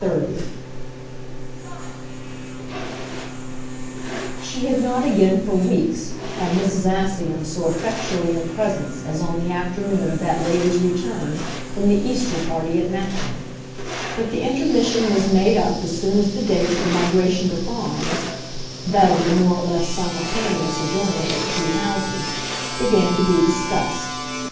XXX She had not again, for weeks, had Mrs. Assingham so effectually in presence as on the afternoon of that lady's return from the Easter party at Matcham; but the intermission was made up as soon as the date of the migration to Fawns that of the more or less simultaneous adjournment of the two houses began to be discussed.